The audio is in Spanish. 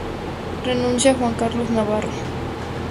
Renuncia Juan Carlos Navarro.